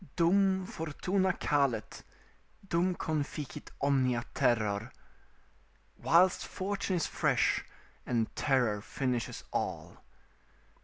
"Dum fortuna calet, dum conficit omnia terror." ["Whilst fortune is fresh, and terror finishes all."